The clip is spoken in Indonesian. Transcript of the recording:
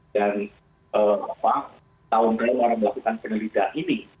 yang tahun lalu orang melakukan penelitian ini